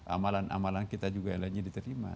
amalan amalan kita juga hanya diterima